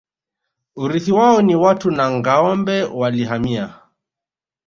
Urithi wao ni watu na ngâombe Walihamia